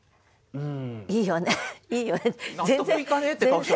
うん。